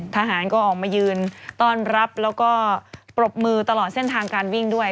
ทหารก็ออกมายืนต้อนรับแล้วก็ปรบมือตลอดเส้นทางการวิ่งด้วย